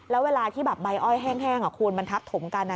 แล้วเวลาที่แบบใบอ้อยแห้งคุณมันทับถมกัน